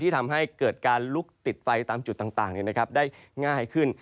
ทำให้เกิดการลุกติดไฟตามจุดต่างได้ง่ายขึ้น